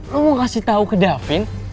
lo mau kasih tau ke davin